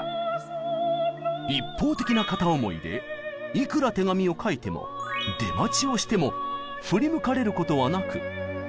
一方的な片思いでいくら手紙を書いても出待ちをしても振り向かれることはなく。